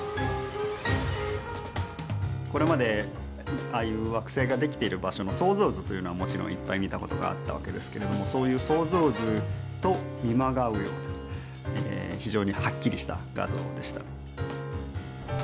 これまでああいう惑星が出来ている場所の想像図というのはもちろんいっぱい見たことがあったわけですけれどもそういう想像図と見まがうような非常にはっきりした画像でした。